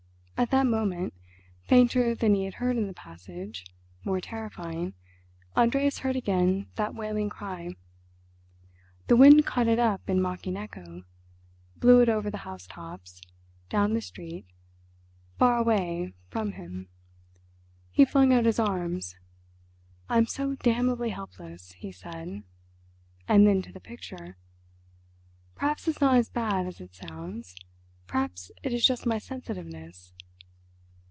At that moment, fainter than he had heard in the passage, more terrifying, Andreas heard again that wailing cry. The wind caught it up in mocking echo, blew it over the house tops, down the street, far away from him. He flung out his arms, "I'm so damnably helpless," he said, and then, to the picture, "Perhaps it's not as bad as it sounds; perhaps it is just my sensitiveness."